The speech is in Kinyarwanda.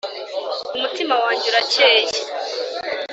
(umutima wanjye uracyeye